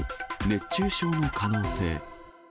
熱中症の可能性。